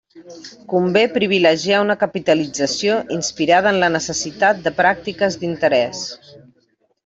Convé privilegiar una capitalització inspirada en la necessitat de pràctiques d'interès.